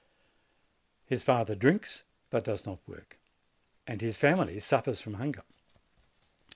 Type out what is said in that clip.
His father drinks, but does not work, and his family suffers from hunger.